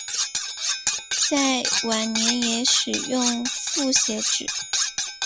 在晚年也使用复写纸。